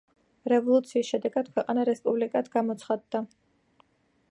რევოლუციის შედეგად ქვეყანა რესპუბლიკად გამოცხადდა.